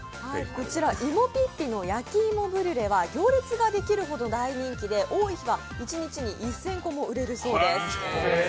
こちら、芋ぴっぴの焼き芋ブリュレは行列ができるほど大人気で多い日は一日に１０００個も売れるそうです。